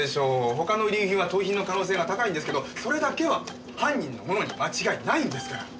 他の遺留品は盗品の可能性が高いんですけどそれだけは犯人のものに間違いないんですから。